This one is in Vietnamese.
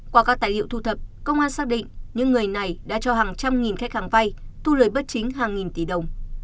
qua các tài liệu thu thập công an xác định những người này đã cho hàng trăm nghìn khách hàng vay thu lời bất chính hàng nghìn tỷ đồng